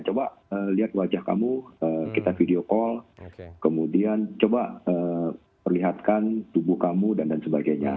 coba lihat wajah kamu kita video call kemudian coba perlihatkan tubuh kamu dan sebagainya